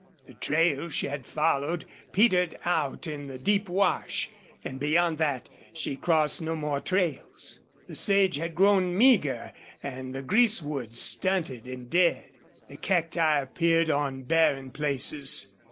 The trail she had followed petered out in a deep wash, and beyond that she crossed no more trails. The sage had grown meager and the greasewoods stunted and dead; and cacti appeared on barren places.